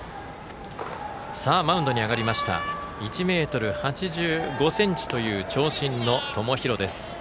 マウンドに上がりました１ｍ８５ｃｍという長身の友廣です。